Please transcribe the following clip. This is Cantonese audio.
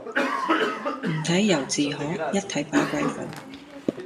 唔睇由自可,一睇把鬼火